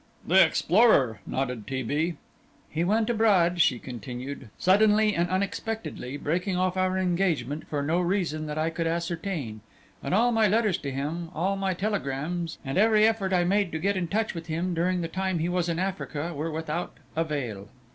"The explorer," nodded T. B. "He went abroad," she continued, "suddenly and unexpectedly, breaking off our engagement for no reason that I could ascertain, and all my letters to him, all my telegrams, and every effort I made to get in touch with him during the time he was in Africa were without avail.